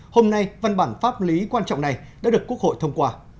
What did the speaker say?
hôm nay văn bản pháp lý quan trọng này đã được quốc hội thông qua